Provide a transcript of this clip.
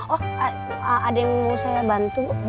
oh ada yang mau saya bantu